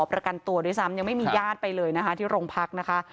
ประกันตัวด้วยซ้ำยังไม่มีญาติไปเลยนะคะที่โรงพักนะคะ